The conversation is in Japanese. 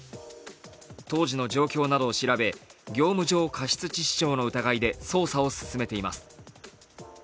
当時の状況などを調べ、業務上過失致死傷の疑いで捜査を進めています。